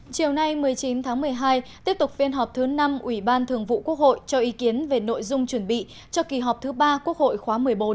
chiều nay một mươi chín tháng một mươi hai tiếp tục phiên họp thứ năm ủy ban thường vụ quốc hội cho ý kiến về nội dung chuẩn bị cho kỳ họp thứ ba quốc hội khóa một mươi bốn